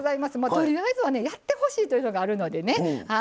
とりあえずはねやってほしいというのがあるのでね。